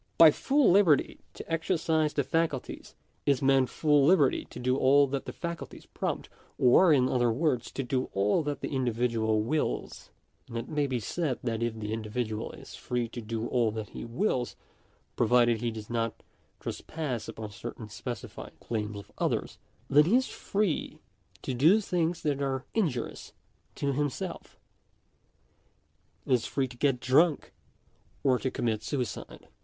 By full liberty to exercise the faculties, is meant full liberty to do all that the faculties prompt, or, in other words, to do all that the individual wills ; and it may be said, that if the individual is free to do all that he wills, provided he does not trespass upon certain specified claims of others, then he is free to do things that are injurious to himself— is free to get drunk, or to commit suicide.